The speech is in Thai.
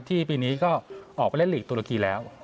ปีนี้ก็ออกไปเล่นหลีกตุรกีแล้ว